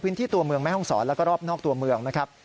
ตัวเมืองแม่ห้องศรแล้วก็รอบนอกตัวเมืองนะครับ